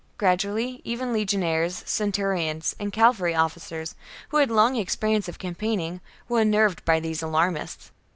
Gradually even legionaries, centurions, and cavalry officers, who had long experience of campaigning, were unnerved by these alarmists.